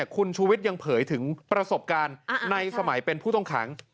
คุณชูวิทย์ยังเผยถึงประสบการณ์ในสมัยเป็นผู้ต้องขัง